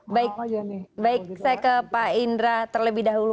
baik saya ke pak indra terlebih dahulu